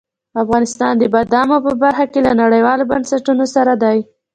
افغانستان د بادامو په برخه کې له نړیوالو بنسټونو سره دی.